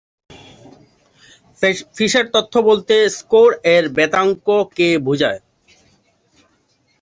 Fisher তথ্য বলতে score এর ভেদাঙ্ক-কে বোঝায়।